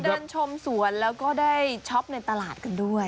เดินชมสวนแล้วก็ได้ช็อปในตลาดกันด้วย